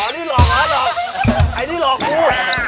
อันนี้หลอกนะหลอกไอ้นี่หลอกกู